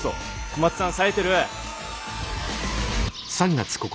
小松さんさえてる。